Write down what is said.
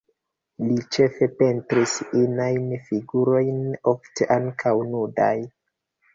Li ĉefe pentris inajn figurojn, ofte ankaŭ nudaj.